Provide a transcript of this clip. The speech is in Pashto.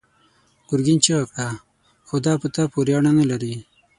ګرګين چيغه کړه: خو دا په تا پورې اړه نه لري!